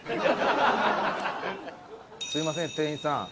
すみません店員さん。